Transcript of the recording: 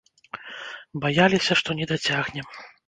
Баяліся, што не дацягнем.